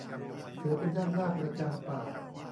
เสือเป็นนักล่าประจำป่า